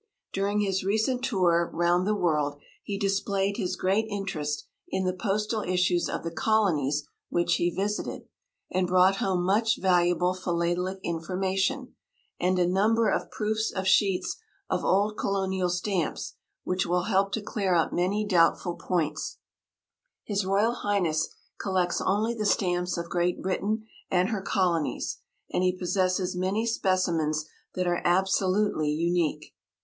During his recent tour round the world he displayed his great interest in the postal issues of the colonies which he visited, and brought home much valuable philatelic information and a number of proofs of sheets of old colonial stamps which will help to clear up many doubtful points. H.R.H. collects only the stamps of Great Britain and her colonies, and he possesses many specimens that are absolutely unique.